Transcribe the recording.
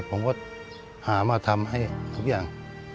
ผมก็หามาทำให้ทุกอย่าง